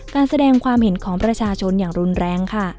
การแสดงความเห็นของประชาชนอย่างรุนแรงค่ะ